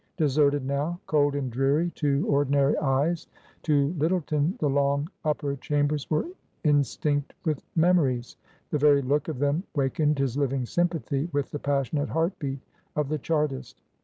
Deserted now, cold and dreary to ordinary eyes, to Lyttleton the long upper chambers were instinct with memories. The very look of them wakened his living sympathy with the passionate heart beat of the Chartist.